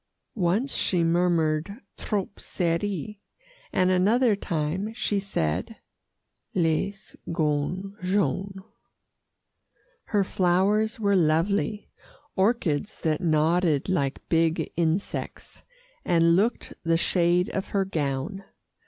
Once she murmured, "Trop serrée;" and another time she said, "Les gants jaunes." Her flowers were lovely orchids that nodded like big insects, and looked the shade of her gown.